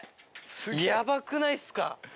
ヤバくないっすか。